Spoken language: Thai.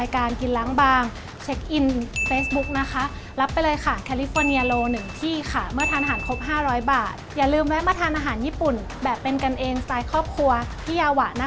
เป็นไงบ้างครับพี่นี่วันนี้มากินล้างบางครับอุ้ย